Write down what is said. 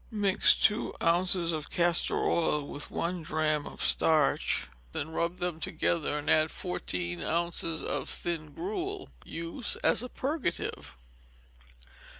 Mix two ounces of castor oil with one drachm of starch, then rub them together, and add fourteen ounces of thin gruel. Use as a purgative.